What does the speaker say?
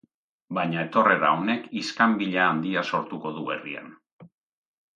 Baina etorrera honek iskanbila handia sortuko du herrian.